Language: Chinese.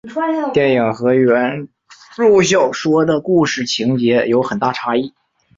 电影和原着小说的故事情节间有很大差异。